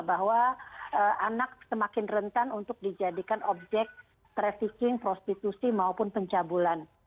bahwa anak semakin rentan untuk dijadikan objek trafficking prostitusi maupun pencabulan